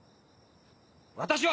私は！